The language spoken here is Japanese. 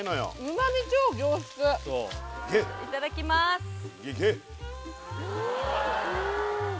旨み超凝縮いただきまーすいけいけ！